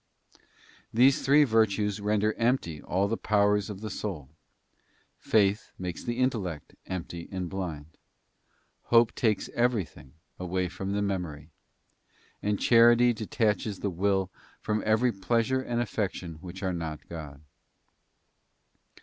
These three virtues render empty all the powers of the soul; Faith makes the intellect empty and blind; Hope takes everything away from the memory, and Charity detaches the will from every pleasure and affection which are not God.